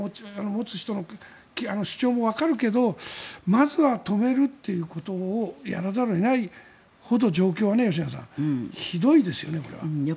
持つ人の主張もわかるけどまずは止めるということをやらざるを得ないほど状況はひどいですよね、これは。